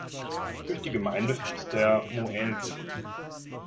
Durch die Gemeinde fließt der Moälven.